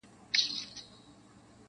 دروازه به د جنت وي راته خلاصه -